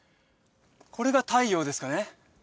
これが太陽ですかね？